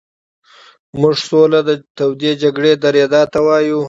موږ سوله د تودې جګړې درېدا ته وایو.